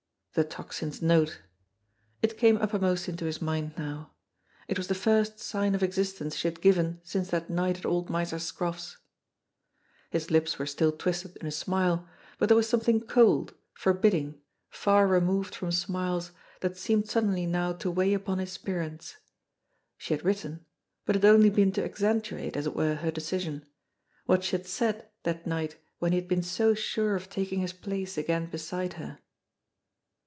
The Tocsin's note ! It came uppermost into his mind now. It was the first sign of existence she had given since that night at old Miser ScrofFs. His lips were still twisted in a smile, but there was some thing cold, forbidding, far removed from smiles, that seemed suddenly now to weigh upon his spirits. She had written ; but it had only been to accentuate, as it were, her decision, what she had said that night when he had been so sure of taking his place again beside her.